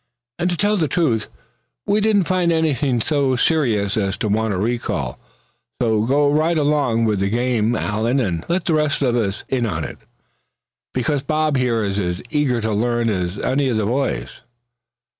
And to tell the truth we didn't find anything so serious as to warrant a recall. So go right along with the game, Allan, and let the rest of us in on it; because Bob here is as eager to learn as any of the boys."